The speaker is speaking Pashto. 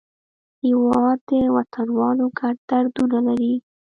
هېواد د وطنوالو ګډ دردونه لري.